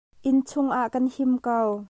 Inn chungah kan him ko.